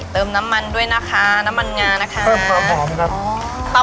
เติมน้ำมันด้วยนะคะน้ำมันงานะคะเพิ่มความหอมครับ